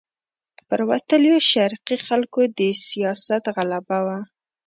پر وتلیو شرقي خلکو د سیاست غلبه وه.